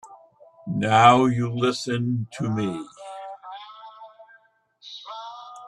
Now you listen to me.